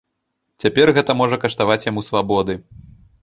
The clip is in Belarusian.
Цяпер гэта можа каштаваць яму свабоды.